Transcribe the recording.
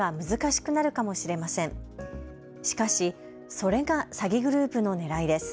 しかし、それが詐欺グループのねらいです。